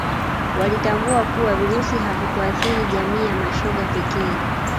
walitambua kuwa virusi havikuathiri jamii ya mashoga pekee